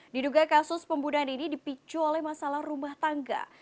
diduga kasus pembunuhan ini dipicu oleh masalah rumah tangga